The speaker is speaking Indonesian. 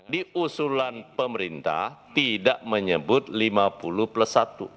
di usulan pemerintah tidak menyebut lima puluh plus satu